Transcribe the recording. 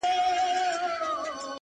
چي د ملا خبري پټي ساتي؛